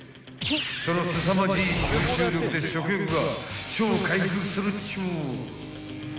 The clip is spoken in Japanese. ［そのすさまじい集中力で食欲が超回復するっちゅう］